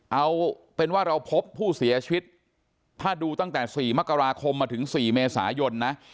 เอาเป็นว่าเราพบผู้เสียชีวิตถ้าดูตั้งแต่๔มกราคมมาถึง๔เมษายนนะ